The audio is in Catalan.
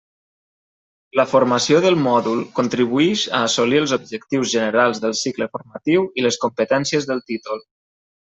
La formació del mòdul contribuïx a assolir els objectius generals del cicle formatiu i les competències del títol.